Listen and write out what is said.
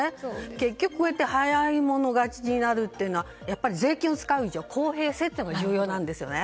結局早い者勝ちになるっていうのは税金を使う以上、公平性が重要なんですね。